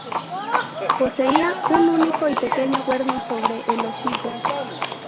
Poseía un único y pequeño cuerno sobre el hocico.